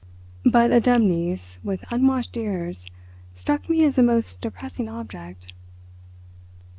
But a dumb niece with unwashed ears struck me as a most depressing object.